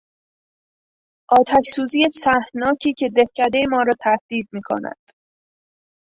آتش سوزی سهمناکی که دهکدهی ما را تهدید می کند